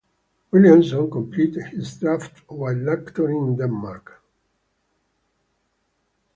Williamson completed his draft while lecturing in Denmark.